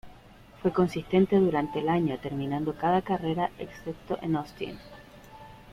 Fue consistente durante el año, terminando cada carrera excepto en Austin.